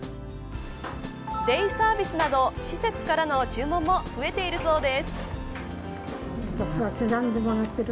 デイサービスなど施設からの注文も増えているそうです。